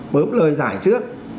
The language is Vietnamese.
mớm lời giải trước